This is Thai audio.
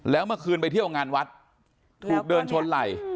แล้วเมื่อคืนไปเที่ยวงานวัดถูกเดินชนไหล่